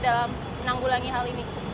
dalam menanggulangi hal ini